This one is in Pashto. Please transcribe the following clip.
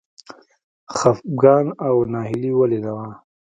خپګان او ناهیلي ولې وه.